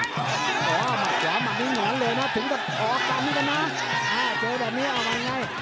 อ๋อมักหรอมักมีหนวานเลยนะถึงต่อกรรมด้วยกันนะมาเจอแบบนี้เอามายังไง